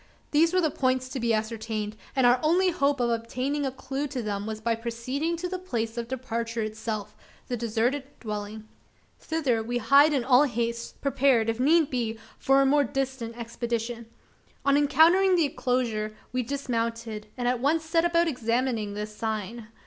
These were the points to be ascertained; and our only hope of obtaining a clue to them was by proceeding to the place of departure itself the deserted dwelling. Thither we hied in all haste prepared, if need be, for a more distant expedition. On entering the enclosure, we dismounted, and at once set about examining the "sign."